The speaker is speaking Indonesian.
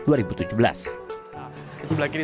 nah ini hal tersebut